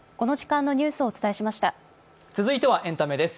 続いてはエンタメです。